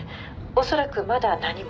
恐らくまだ何も」